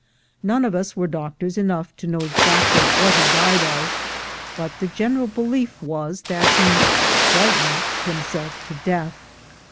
None of us were doctors enough to know exactly what he died of, but the general belief was that he frightened himself to death.